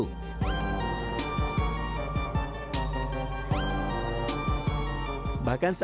bagaimana cara menjaga kekuatan pikiran